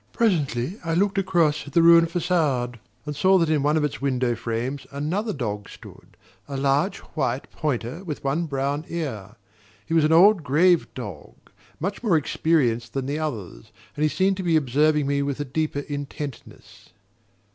Presently I looked across at the ruined facade, and saw that in one of its window frames another dog stood: a large white pointer with one brown ear. He was an old grave dog, much more experienced than the others; and he seemed to be observing me with a deeper intentness.